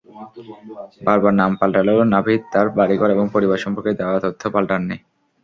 বারবার নাম পাল্টালেও নাভিদ তাঁর বাড়িঘর এবং পরিবার সম্পর্কে দেওয়া তথ্য পাল্টাননি।